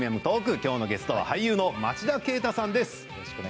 きょうのゲストは俳優の町田啓太さんです。